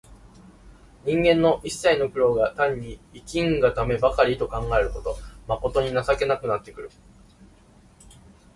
人間の一切の労苦が単に生きんがためばかりと考えると、まことに情けなくなってくる。